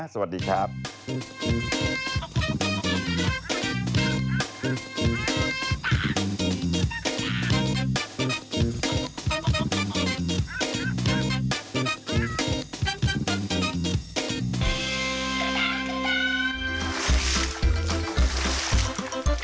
สวัสดีค่ะสมุทรใส่สงคราสนุกนะสวัสดีครับ